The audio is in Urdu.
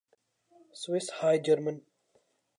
Swiss high German